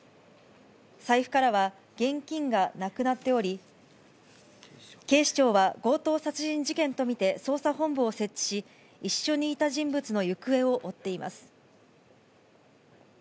財布からは現金がなくなっており、警視庁は、強盗殺人事件と見て捜査本部を設置し、一緒にいた人物の行方を追っています。